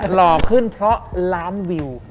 หล่อขึ้นเพราะล้านวิว